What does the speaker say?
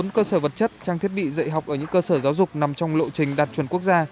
bốn cơ sở vật chất trang thiết bị dạy học ở những cơ sở giáo dục nằm trong lộ trình đạt chuẩn quốc gia